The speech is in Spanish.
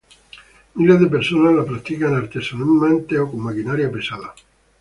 Miles de personas la practican, artesanalmente o con maquinaria pesada.